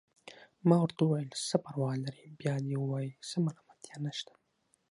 ما ورته وویل: څه پروا لري، بیا دې ووايي، څه ملامتیا نشته.